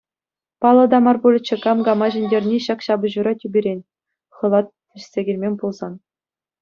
Паллӑ та мар пулӗччӗ кам кама ҫӗнтерни ҫак ҫапӑҫура тӳперен Хӑлат вӗҫсе килмен пулсан.